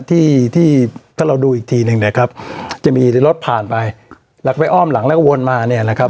ที่ที่ถ้าเราดูอีกทีหนึ่งนะครับจะมีรถผ่านไปแล้วไปอ้อมหลังแล้วก็วนมาเนี่ยนะครับ